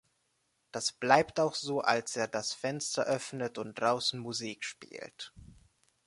Das bleibt auch so, als er das Fenster öffnet und draußen Musik spielt.